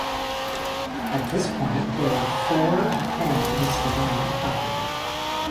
At this point there were four families living on the property.